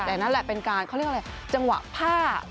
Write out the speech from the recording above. แต่นั่นแหละเป็นการเขาเรียกอะไรจังหวะผ้า